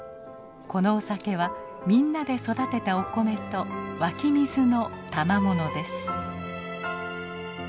このお酒はみんなで育てたお米と湧き水のたまものです。